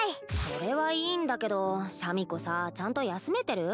それはいいんだけどシャミ子さちゃんと休めてる？